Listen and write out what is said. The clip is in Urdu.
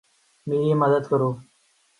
میری مدد کرو